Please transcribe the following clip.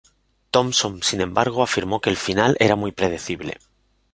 Thompson sin embargo afirmó que el final era muy predecible.